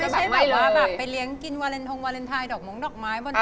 ก็จะไม่ใช่แบบว่าไปเลี้ยงกินวาเลนทรงวาเลนไทยดอกม้องดอกไม้วันเก็บ